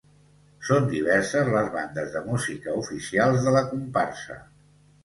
Són diverses les bandes de música oficials de la comparsa.